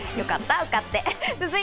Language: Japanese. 受かって！